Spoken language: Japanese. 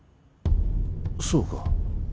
そうか。